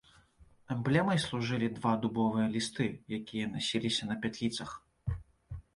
Эмблемай служылі два дубовыя лісты, якія насіліся на пятліцах.